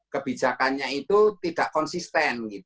kebijakannya itu tidak konsisten